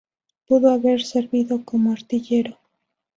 Pudo haber servido como artillero.